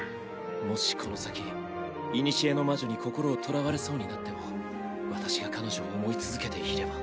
もしこの先古の魔女に心をとらわれそうになっても私が彼女を思い続けていれば。